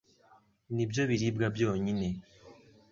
Ni byo biribwa bwonyine